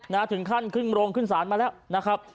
ถึงขั้นขึ้นโรงขึ้นศาลมาแล้วนะครับ